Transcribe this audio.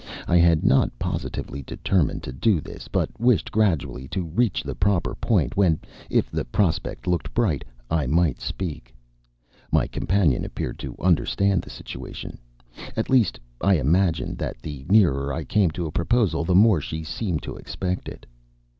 I had not positively determined to do this, but wished gradually to reach the proper point, when, if the prospect looked bright, I might speak. My companion appeared to understand the situation at least, I imagined that the nearer I came to a proposal the more she seemed to expect it.